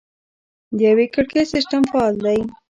د یوه کړکۍ سیستم فعال دی؟